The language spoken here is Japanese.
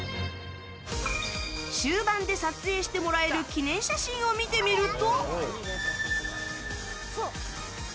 終盤で撮影してもらえる記念写真を見てみると。